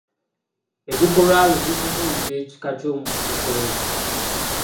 Ebikolwa byo bitubuulira ekika ky'omuntu ky'oli.